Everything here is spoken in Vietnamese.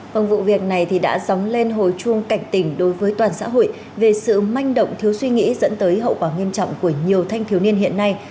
vòng vụ việc này thì đã dóng lên hồi chuông cảnh tỉnh đối với toàn xã hội về sự manh động thiếu suy nghĩ dẫn tới hậu quả nghiêm trọng của nhiều thanh thiếu niên hiện nay